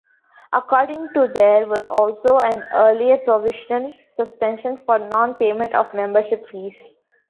According to there was also an earlier provisional suspension for non-payment of membership fees.